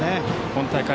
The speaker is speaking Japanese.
今大会